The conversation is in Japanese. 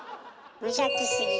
無邪気すぎ。